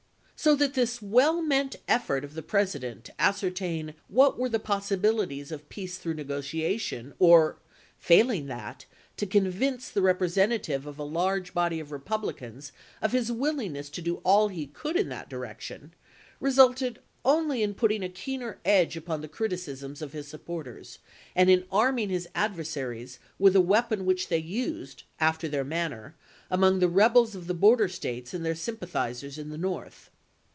So that this well meant effort of the President to as certain what were the possibilities of peace through negotiation, or, failing that, to convince the repre sentative of a large body of Republicans of his willingness to do all he could in that direction, resulted only in putting a keener edge upon the criticisms of his supporters, and in arming his adversaries with a weapon which they used, after their manner, among the rebels of the border States and their sympathizers in the North.